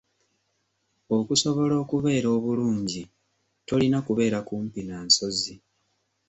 Okusobola okubeera obulungi, tolina kubeera kumpi na nsozi.